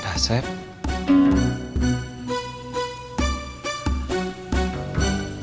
tidak ada yang bisa